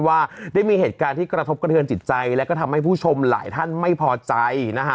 ว่าได้มีเหตุการณ์ที่กระทบกระเทือนจิตใจแล้วก็ทำให้ผู้ชมหลายท่านไม่พอใจนะฮะ